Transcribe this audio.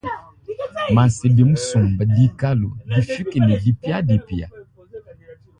Mansebe musumba dikalu difike ne dipiadipia.